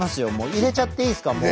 入れちゃっていいすかもう。